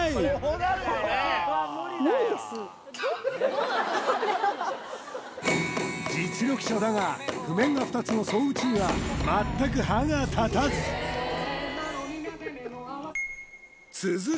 これは実力者だが譜面が２つの双打には全く歯が立たず続く